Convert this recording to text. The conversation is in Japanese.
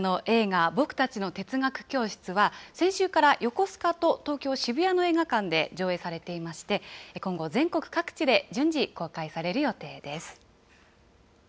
こちらの映画、ぼくたちの哲学教室は、先週から横須賀と東京・渋谷の映画館で上映されていまして、今後、全国各地で順次、公開される予定です。